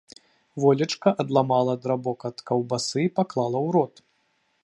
Волечка адламала драбок ад каўбасы і паклала ў рот.